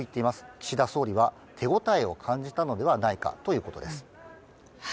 岸田総理は手応えを感じたのではないかということです。